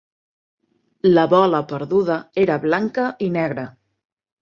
La bola perduda era blanca i negra.